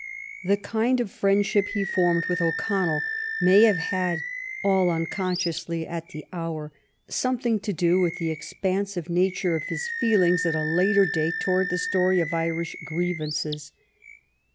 The kind of friendship he formed with O'Connell may have had, all unconsciously at the hour, something to do with the expansive nature of his feelings at a later date towards the story of Irish grievances.